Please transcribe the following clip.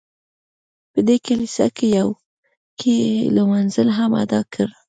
په دې کلیسا کې یې لمونځ هم ادا کړ.